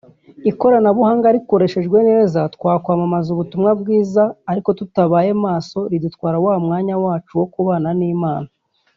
Ikoranabuhanga rikoreshejwe neza twakwamamaza ubutumwa bwiza ariko tutabaye maso ridutwara wa mwanya wacu wo kubana n’Imana